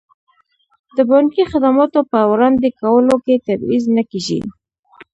د بانکي خدماتو په وړاندې کولو کې تبعیض نه کیږي.